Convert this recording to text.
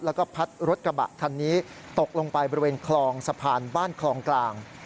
แล้วก็พัดรถกระบะคันนี้ตกลงไปบริเวณคลองสะพานบ้านคลองกลาง